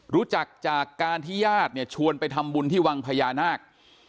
รู้จักจากการที่ญาติเนี่ยชวนไปทำบุญที่วังพญานาค